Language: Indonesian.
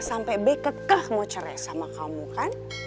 sampai be kekeh mau cerai sama kamu kan